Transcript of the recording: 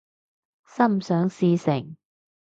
心想事成